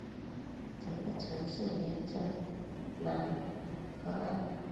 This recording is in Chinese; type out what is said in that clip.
整个城市沿着楠河岸。